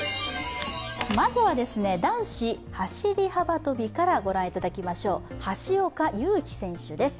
まずは男子走り幅跳びから御覧いただきましょう、橋岡優輝選手です。